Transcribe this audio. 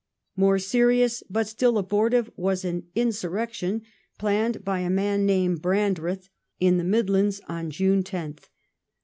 More serious but still abortive was an " insurrection " planned by a man named Brandreth in the Midlands on June 10th.